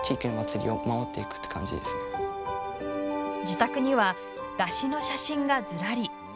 自宅には、山車の写真がずらり。